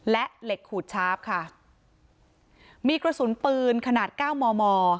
และเหล็กขูดชาร์ฟค่ะมีกระสุนปืนขนาดเก้ามอมอ